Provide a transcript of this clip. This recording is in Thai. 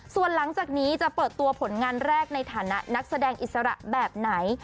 ส่วนหลังจากนี้จะเปิดตัวผลงานแรกในฐานะนักแสดงอิสระแบบไหน